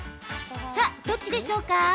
さあ、どっちでしょうか？